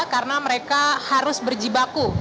karena mereka harus berjibaku